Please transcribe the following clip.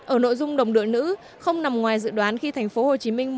ở nội dung đồng đội nữ không nằm ngoài dự đoán khi tp hcm